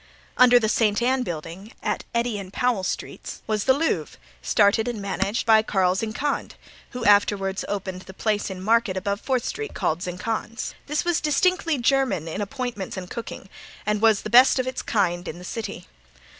Under the St. Ann building, at Eddy and Powell streets, was the Louvre, started and managed by Carl Zinkand, who afterward opened the place in Market above Fourth street, called Zinkand's. This was distinctly German in appointments and cooking and was the best of its kind in the city.